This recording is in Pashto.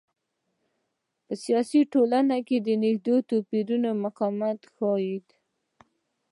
سیالي ټولنه د نژادي توپیرونو مقاومت وښود.